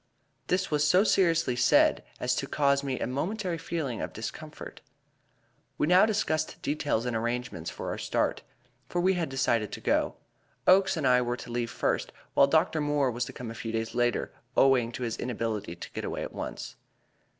This was so seriously said as to cause me a momentary feeling of discomfort. We now discussed details and arrangements for our start, for we had decided to go. Oakes and I were to leave first, while Doctor Moore was to come a few days later, owing to his inability to get away at once.